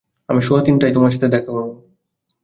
আমি সোয়া তিনটায় তোমার সাথে দেখা করব।